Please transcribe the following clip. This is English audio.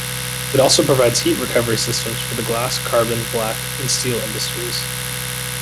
It also provides heat recovery systems for the glass, carbon black, and steel industries.